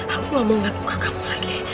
aku gak mau nanggung ke kamu lagi